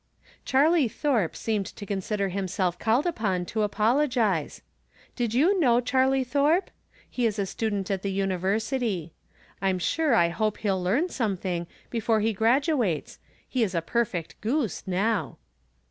' Charlie Thorpe seemed to consider himself called upon to apologize. Did you know Charlie Thorpe ? He is a student at the University. I'm sure I hope he'll learn something before he gradu ates ; he is a perfect goose now.